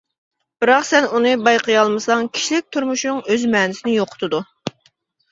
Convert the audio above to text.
بىراق، سەن ئۇنى بايقىيالمىساڭ كىشىلىك تۇرمۇشۇڭ ئۆز مەنىسىنى يوقىتىدۇ.